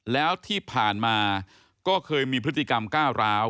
แล้วที่ผ่านมาก็เคยมีพฤติกรรมก้าวร้าว